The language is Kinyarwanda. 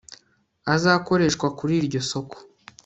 azakoreshwa kuri iryo soko